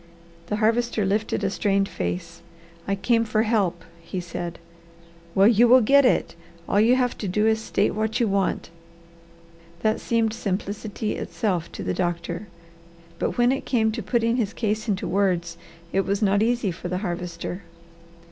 The Harvester lifted a strained face. "I came for help," he said. "Well you will get it! All you have to do is to state what you want." That seemed simplicity itself to the doctor. But when it came to putting his case into words, it was not easy for the Harvester.